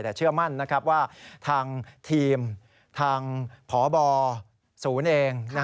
แต่เชื่อมั่นว่าทางทีมทางพบศูนย์เอง